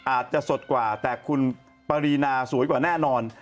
อาจจะสดกว่าแต่คุณปรีนาสวยกว่าแน่นอน